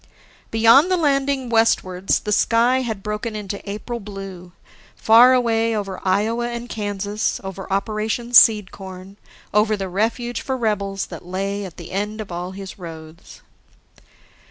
Beyond the landing, westwards, the sky had broken into April blue, far away over Iowa and Kansas, over Operation Seed corn, over the refuge for rebels that lay at the end of all his roads....